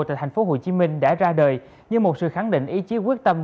tại thành phố hồ chí minh đã ra đời như một sự khẳng định ý chí quyết tâm